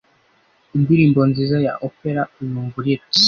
indirimbo nziza ya opera uyumva urira